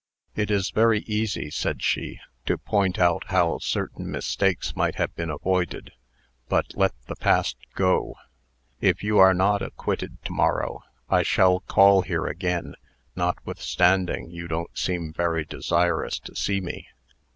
"It is very easy," said she, "to point out how certain mistakes might have been avoided. But let the past go. If you are not acquitted to morrow, I shall call here again, notwithstanding you don't seem very desirous to see me.